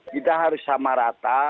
kita harus sama rata